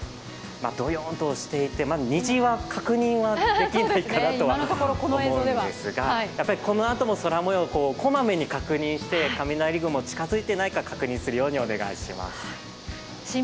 どよんとしていて、虹は確認できないかなとは思うんですが、このあとも空もよう、小まめに確認して、雷雲が近づいていないか確認するようにお願いします。